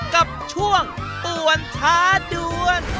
กับช่วงป่วนช้าดวน